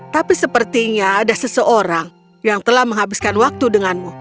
tapi sepertinya ada seseorang yang telah menghabiskan waktu denganmu